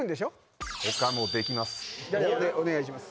お願いします。